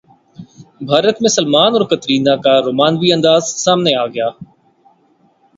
بھارت میں سلمان اور کترینہ کا رومانوی انداز سامنے اگیا